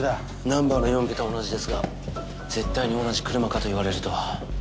ナンバーの４桁は同じですが絶対に同じ車かと言われると。